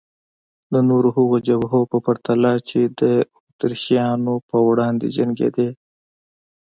د نورو هغو جبهو په پرتله چې د اتریشیانو په وړاندې جنګېدې.